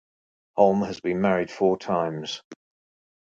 Holm has been married four times.